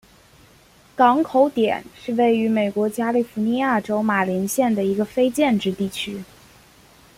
港口点是位于美国加利福尼亚州马林县的一个非建制地区。